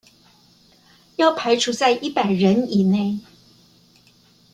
要排除在一百人之内